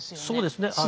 そうですね